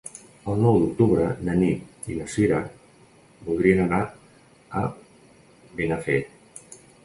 El nou d'octubre na Nit i na Cira voldrien anar a Benafer.